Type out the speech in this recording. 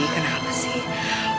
iya kenapa sih